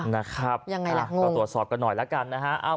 นะครับตรวจสอบกันหน่อยละกันนะครับอ้าวยังไงล่ะงง